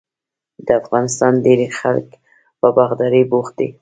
د افغانستان ډیری خلک په باغدارۍ بوخت دي.